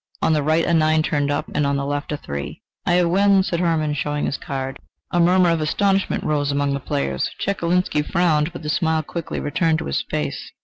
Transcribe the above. On the right a nine turned up, and on the left a three. "I have won!" said Hermann, showing his card. A murmur of astonishment arose among the players. Chekalinsky frowned, but the smile quickly returned to his face.